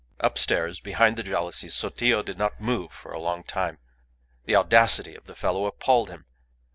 Upstairs, behind the jalousies, Sotillo did not move for a long time. The audacity of the fellow appalled him.